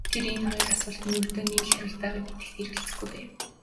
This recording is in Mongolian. Тэр энэ хоёр асуултад ердөө нэг л хариулт байгаа гэдэгт эргэлзэхгүй байв.